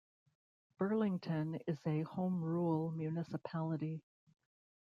Burlington is a Home Rule Municipality.